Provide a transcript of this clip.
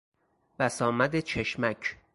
بسامد چشمک